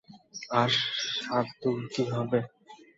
আর সাত্তুর কি হবে?